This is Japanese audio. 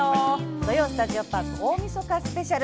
「土曜スタジオパーク大みそかスペシャル」